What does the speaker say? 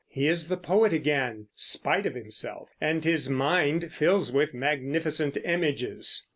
He is the poet again, spite of himself, and his mind fills with magnificent images.